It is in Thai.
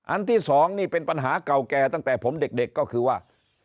ที่๒นี่เป็นปัญหาเก่าแก่ตั้งแต่ผมเด็กก็คือว่า